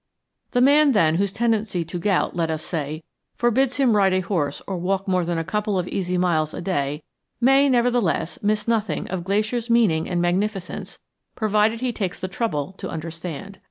The man, then, whose tendency to gout, let us say, forbids him ride a horse or walk more than a couple of easy miles a day may, nevertheless, miss nothing of Glacier's meaning and magnificence provided he takes the trouble to understand.